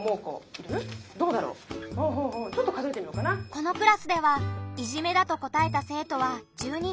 このクラスではいじめだと答えた生徒は１２人。